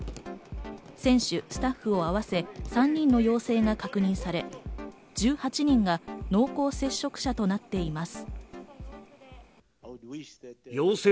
選手、スタッフ合わせ３人の陽性が確認され、１８人が濃厚接触者となっています。